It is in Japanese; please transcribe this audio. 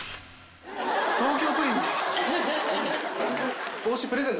東京プリン？